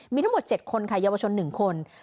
มีทั้งหมด๗คนค่ะเยาวชน๑คน